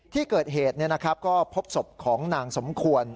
ที่เกิดเหตุก็พบศพของนางสมควร